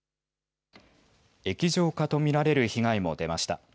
液状化と見られる被害も出ました。